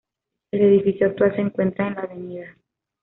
El edificio actual se encuentra en la Av.